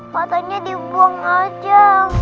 fotonya dibuang aja